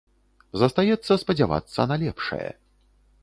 Застаецца спадзявацца на лепшае.